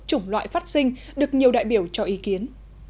chủng loại phát sinh được nhiều đại biểu cho ý kiến